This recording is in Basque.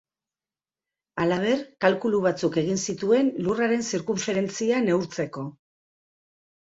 Halaber, kalkulu batzuk egin zituen Lurraren zirkunferentzia neurtzeko.